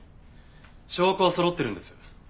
証拠はそろってるんです。